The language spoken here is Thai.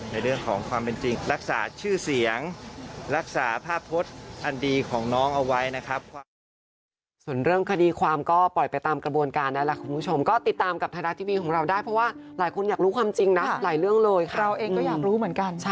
ในเรื่องของความเป็นจริงรักษาชื่อเสียงรักษาภาพพจน์อันดีของน้องเอาไว้นะครับ